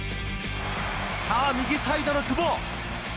さあ、右サイドの久保。